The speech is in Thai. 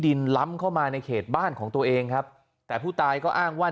ล้ำเข้ามาในเขตบ้านของตัวเองครับแต่ผู้ตายก็อ้างว่า